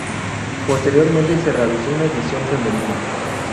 Posteriormente se realizó una edición femenina.